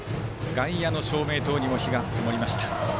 外野の照明塔にも灯がともりました。